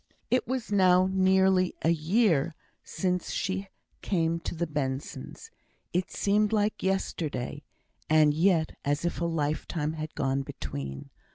It was now nearly a year since she came to the Bensons'; it seemed like yesterday, and yet as if a lifetime had gone between.